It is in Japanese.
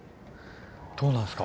どうなんすか？